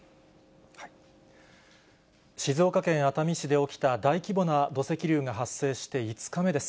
静岡県熱海市で起きた大規模な土石流が発生して５日目です。